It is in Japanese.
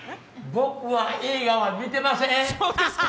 僕は映画は見てません。